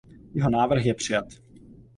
Jeho návrh je přijat.